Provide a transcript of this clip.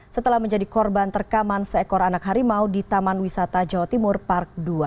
setelah menjadi korban rekaman seekor anak harimau di taman wisata jawa timur park dua